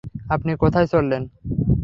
আপনি কোথায় চললেন?